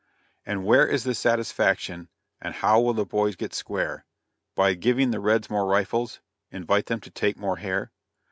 And where is the satisfaction, And how will the boys get square? By giving the reds more rifles? Invite them to take more hair?